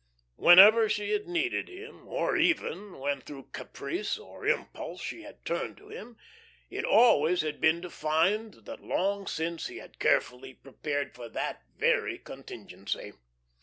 Whenever she had needed him, or even, when through caprice or impulse she had turned to him, it always had been to find that long since he had carefully prepared for that very contingency.